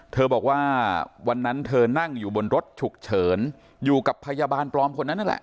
บอกว่าวันนั้นเธอนั่งอยู่บนรถฉุกเฉินอยู่กับพยาบาลปลอมคนนั้นนั่นแหละ